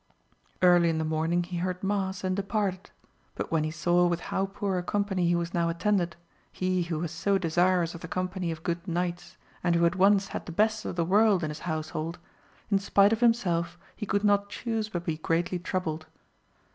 Early in the morning he heard mass and departed, but when he saw with how poor a company he was now attended, he who was so desirous of the company of good knights and who had once had the best of the world in his house hold, in spite of himself he could not chuse but be greatly troubled.